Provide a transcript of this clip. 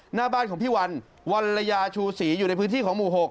หน้าบ้านของพี่วันวันละยาชูศรีอยู่ในพื้นที่ของหมู่๖